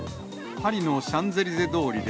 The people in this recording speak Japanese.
パリのシャンゼリゼ通りで